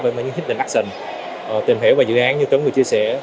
với những hidden action tìm hiểu về dự án như tấn vừa chia sẻ